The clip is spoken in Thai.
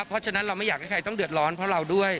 เพราะฉะนั้นเราไม่อยากให้ใครต้องเดือดร้อนเพราะเราด้วย